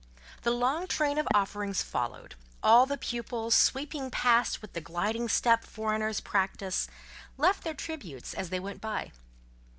The long train of offerings followed: all the pupils, sweeping past with the gliding step foreigners practise, left their tributes as they went by.